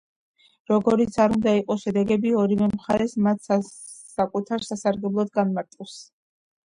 როგორიც არ უნდა იყოს შედეგები, ორივე მხარე მათ საკუთარ სასარგებლოდ განმარტავს.